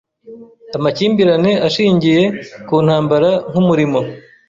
amakimbirane ashingiye ku ntambara nkumurimo